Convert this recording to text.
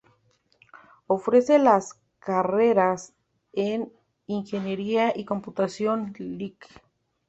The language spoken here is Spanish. Ofrece las carreras en Ingeniería en Computación, Lic.